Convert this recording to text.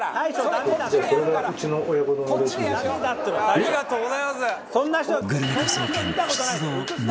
ありがとうございます。